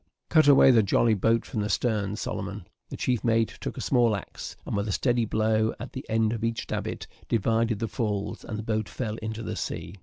Cut away the jolly boat from the stern, Solomon." The chief mate took a small axe, and, with a steady blow at the end of each davit, divided the falls, and the boat fell into the sea.